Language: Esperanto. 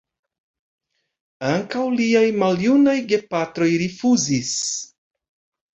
Ankaŭ liaj maljunaj gepatroj rifuzis.